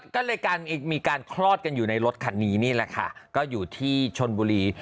ก็เลยการมีการคลอดกันอยู่ในรถคันนี้นี่แหละค่ะก็อยู่ที่ชนบุรี